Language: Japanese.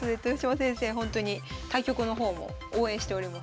ほんとに対局の方も応援しております。